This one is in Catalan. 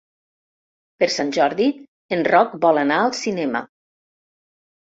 Per Sant Jordi en Roc vol anar al cinema.